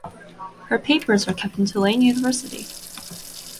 Her papers are kept in Tulane University.